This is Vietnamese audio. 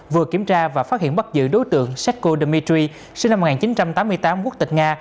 vừa kiểm tra và phát hiện bắt giữ đối tượng sako demitry sinh năm một nghìn chín trăm tám mươi tám quốc tịch nga